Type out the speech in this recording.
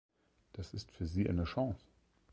Das ist für Sie eine Chance.